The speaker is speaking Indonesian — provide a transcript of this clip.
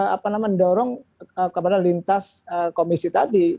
apa namanya mendorong kepada lintas komisi tadi